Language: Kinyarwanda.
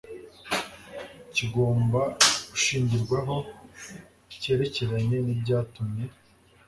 kigomba gushingirwaho cyerekeranye n'ibyatumye